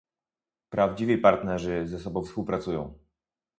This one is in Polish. Prawdziwi partnerzy ze sobą współpracują